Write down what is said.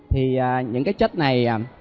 thì những cái chất này